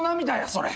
それ。